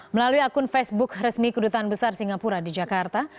melalui akun facebook resmi kedutaan besar singapura di jakarta